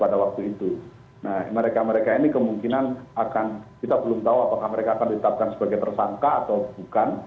nah mereka mereka ini kemungkinan akan kita belum tahu apakah mereka akan ditetapkan sebagai tersangka atau bukan